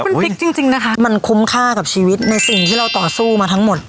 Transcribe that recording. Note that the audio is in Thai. มันพลิกจริงจริงนะคะมันคุ้มค่ากับชีวิตในสิ่งที่เราต่อสู้มาทั้งหมด